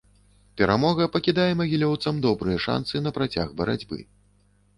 Перамога пакідае магілёўцам добрыя шанцы на працяг барацьбы.